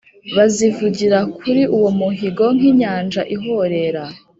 bazivugira kuri uwo muhigo nk inyanja ihorera